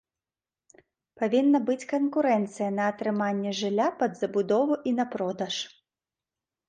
Павінна быць канкурэнцыя на атрыманне жылля пад забудову і на продаж.